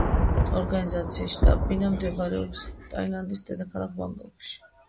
ორგანიზაციის შტაბ-ბინა მდებარეობს ტაილანდის დედაქალაქ ბანგკოკში.